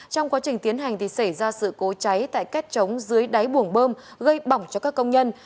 trong quá trình tiến hành thì xảy ra sự cố cháy tại kết trống dưới đáy buồng bơm gây bỏng cho các công nhân